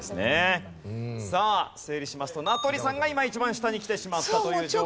さあ整理しますと名取さんが今一番下に来てしまったと。